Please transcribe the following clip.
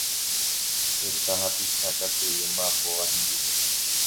Heta hapicha katui omba'apóva hendive